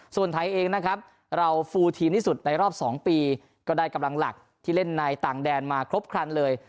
ส่วนไทยเองนะครับเราฟูลทีมที่สุดในรอบ๒ปีก็ได้กำลังหลักที่เล่นในต่างแดนมาครบครันเลย